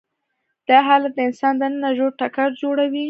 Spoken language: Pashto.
دا حالت د انسان دننه ژور ټکر جوړوي.